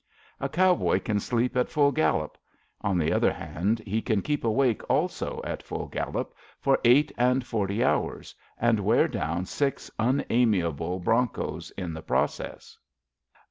A cow 48 ABAFT THE FUNNEL toy can sleep at full gallop; on the other hand, he can keep awake also at full gallop for eight and forty hours and wear down six unamiable bronchos in the process.